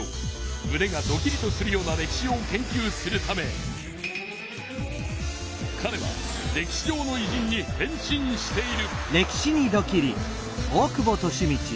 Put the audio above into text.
むねがドキリとするような歴史を研究するためかれは歴史上のいじんに変身している。